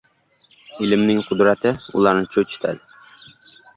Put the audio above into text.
Ilmning qudrati ularni cho‘chitadi.